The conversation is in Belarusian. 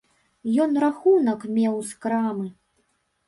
Ён рахунак меў з крамы.